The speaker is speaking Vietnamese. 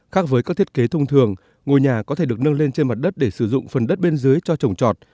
khác với các thiết kế thông thường ngôi nhà có thể được nâng lên trên mặt đất để sử dụng phần đất bên dưới cho trồng trọt